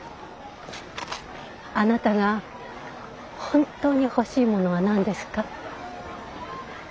あなたが本当に欲しいものは何ですか？